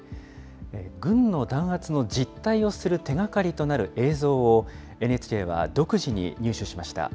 軍の弾圧の実態を知る手がかりとなる映像を、ＮＨＫは独自に入手しました。